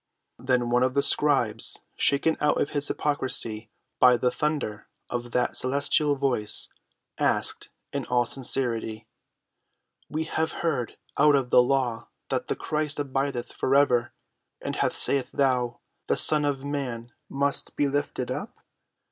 Then one of the scribes, shaken out of his hypocrisy by the thunder of that celestial Voice, asked in all sincerity: "We have heard out of the law that the Christ abideth for ever: and how sayest thou, The Son of man must be lifted up?